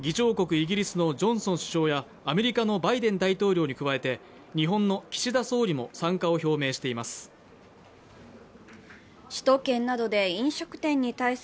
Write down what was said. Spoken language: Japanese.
イギリスのジョンソン首相やアメリカのバイデン大統領に加えて日本の岸田総理も参加を表明しています。